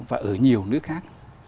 và ở nhiều nước khác